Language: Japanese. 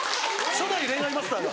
初代恋愛マスターだ。